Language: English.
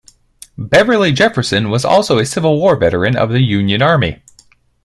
Beverley Jefferson was also a Civil War veteran of the Union Army.